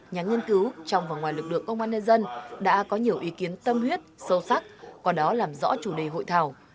nhà nghiên cứu trong và ngoài lực lượng công an nhân dân đã có nhiều ý kiến tâm huyết sâu sắc qua đó làm rõ chủ đề hội thảo